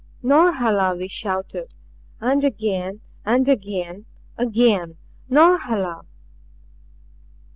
"Norhala!" we shouted; and again and again again "Norhala!"